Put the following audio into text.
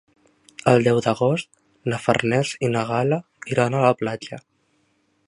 El deu d'agost na Farners i na Gal·la iran a la platja.